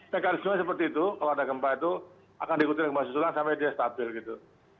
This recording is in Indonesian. mekanisme seperti itu kalau ada gempa itu akan diikuti oleh gempa susulan sampai dia stabil gitu